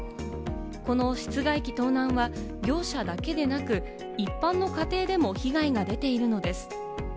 この室外機盗難は業者だけでなく、一般の家庭でも被害が出ているのです。